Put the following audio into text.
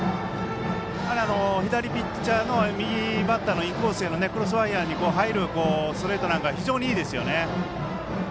左ピッチャーの右バッターのインコースのクロスファイアーに入るストレートなんか非常にいいですよね。